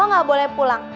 lu gak boleh pulang